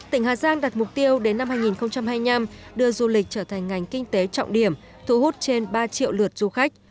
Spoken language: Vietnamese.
tỉnh hà giang đặt mục tiêu đến năm hai nghìn hai mươi năm đưa du lịch trở thành ngành kinh tế trọng điểm thu hút trên ba triệu lượt du khách